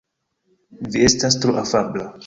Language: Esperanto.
Vi estas tro afabla.